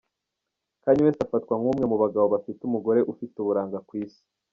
Kanye West afatwa nk’umwe mu bagabo bafite umugore ufite uburanga ku isi.